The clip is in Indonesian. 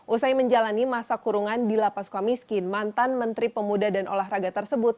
usai menjalani masa kurungan di lapas suka miskin mantan menteri pemuda dan olahraga tersebut